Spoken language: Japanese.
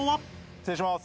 ・失礼します。